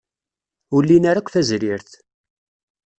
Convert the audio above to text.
Ur lin ara akk tazrirt.